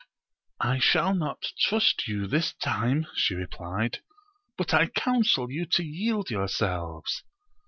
I shall not trust you this time, she replied ; but I counsel you to yield yourselves.